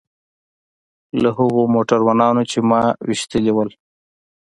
له هغو موټرانو چې ما ويشتلي وو.